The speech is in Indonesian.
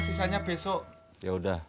sisanya besok yaudah